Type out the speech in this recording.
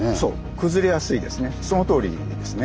崩れやすいですね。